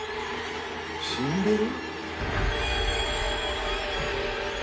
死んでる？